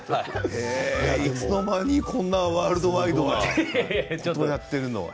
いつの間にこんなワールドワイドなことをやっている。